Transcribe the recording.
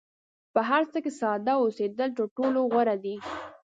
په هر څه کې ساده اوسېدل تر ټولو غوره دي.